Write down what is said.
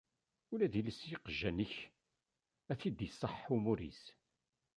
Ula d iles n yiqjan-ik ad t-id-iṣaḥ umur-is.